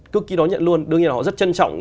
cứ ký đón nhận luôn đương nhiên là họ rất trân trọng